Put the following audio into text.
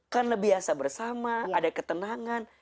karena biasa bersama ada ketenangan